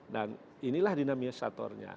dan inilah dinamisatornya